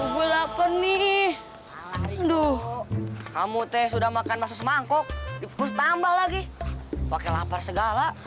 gua lapar nih aduh kamu teh sudah makan masuk mangkok terus tambah lagi pakai lapar segala